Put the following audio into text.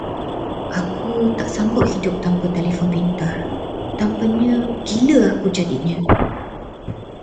Aku tak sanggup hidup tanpa telefon pintar, tanpanya gila aku jadinya.